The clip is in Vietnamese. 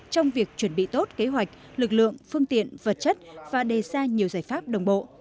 trong việc chuẩn bị tốt kế hoạch lực lượng phương tiện vật chất và đề ra nhiều giải pháp đồng bộ